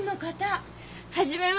初めまして。